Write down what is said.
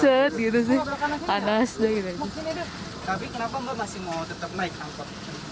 tapi kenapa mbak masih mau tetap naik angkot